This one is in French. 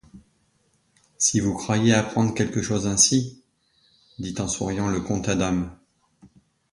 Si vous croyez apprendre quelque chose ainsi !… dit en souriant le comte Adam.